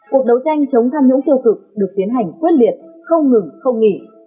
cuộc đấu tranh chống tham nhũng tiêu cực được tiến hành quyết liệt không ngừng không nghỉ